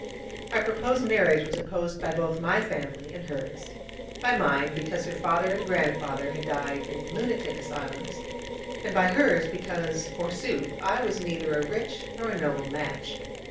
Our proposed marriage was opposed by both my family and hers: by mine, because her father and grandfather had died in lunatic asylums; and by hers, because, forsooth, I was neither a rich nor a noble match.